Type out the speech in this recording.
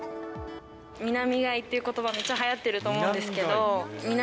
みな実買いっていうことば、めっちゃはやってると思うんですけど。